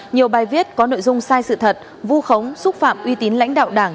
nhiều bài viết có nội dung sai sự thật vu khống xúc phạm uy tín lãnh đạo đảng